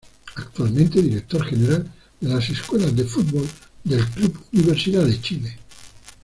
Actualmente director general de las escuelas de fútbol del club Universidad de Chile.